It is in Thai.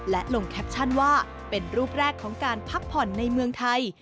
และลงแคปชั่นว่าเป็นรูปแรกของการพักผ่อนในเมืองไทย